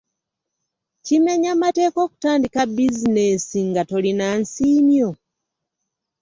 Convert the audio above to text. Kimenya mateeka okutandika bizineesi nga tolina nsiimyo?